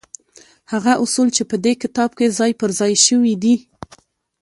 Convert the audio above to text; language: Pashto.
هغه اصول چې په دې کتاب کې ځای پر ځای شوي دي.